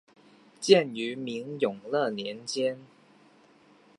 建于明永乐年间。